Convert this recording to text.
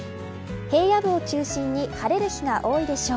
平野部を中心に晴れる日が多いでしょう。